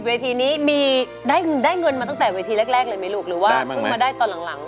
เวทีนี้มีได้เงินมาตั้งแต่เวทีแรกเลยไหมลูกหรือว่าเพิ่งมาได้ตอนหลัง